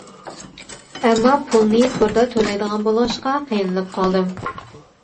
ئەمما پۇلنى توردا تۆلەيدىغان بولغاچقا قىينىلىپ قالدىم.